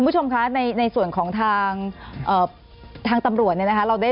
คุณผู้ชมคะในส่วนของทางทางตำรวจเนี่ยนะคะ